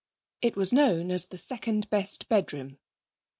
It was known as 'the second best bedroom'.